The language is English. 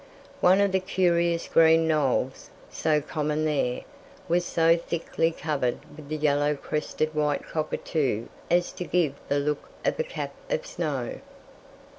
One of the curious green knolls, so common there, was so thickly covered with the yellow crested white cockatoo as to give the look of a cap of snow.